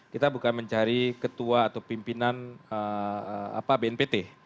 kita bukan mencari ketua atau pimpinan bnpt